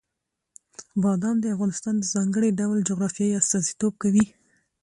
بادام د افغانستان د ځانګړي ډول جغرافیې استازیتوب کوي.